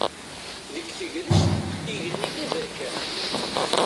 Deg tegrest igenni d aberkan.